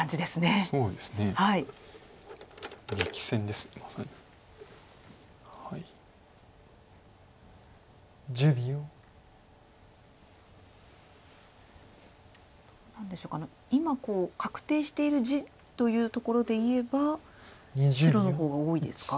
どうなんでしょうか今確定している地というところでいえば白の方が多いですか？